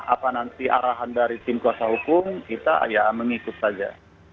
apa nanti arahan dari tim kuasa hukum kita ya mengikut saja